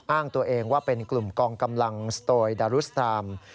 อ้างตัวเองว่าเป็นกลุ่มกองกำลังสโตยดารุสตราม